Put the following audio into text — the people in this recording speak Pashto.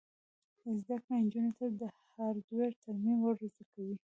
زده کړه نجونو ته د هارډویر ترمیم ور زده کوي.